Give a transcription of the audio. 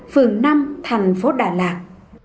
phường năm thành phố đà lạt